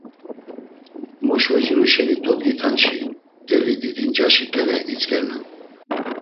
Moşvacinu şeni dodgitanşi mteli didi ncaşi ǩele itzǩernan.